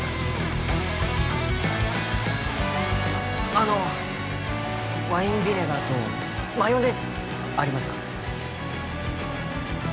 あのワインビネガーとマヨネーズありますか？